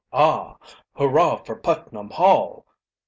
Ah!" "Hurrah for Putnam Hall!"